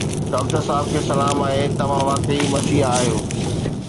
doctor صاحب کي سلام آهي توهان واقعي مسيحا آهيو